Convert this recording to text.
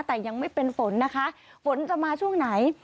แต่ยังไม่เป็นฝนนะคะฝนจะมาช่วงไหน